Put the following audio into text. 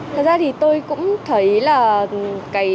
thật ra thì tôi cũng thấy là